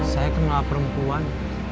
saya kenal perempuan